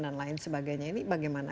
dan lain sebagainya ini bagaimana